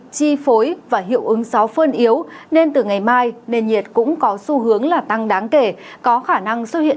chi phối và hiệu ứng gió phơn yếu nên từ ngày mai nền nhiệt cũng có xu hướng là tăng đáng kể có khả năng xuất hiện